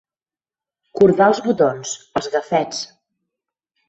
Cordar els botons, els gafets.